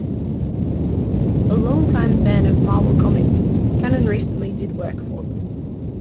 A longtime fan of "Marvel Comics", Cannon recently did work for them.